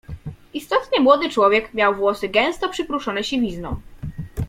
"Istotnie młody człowiek miał włosy gęsto przyprószone siwizną."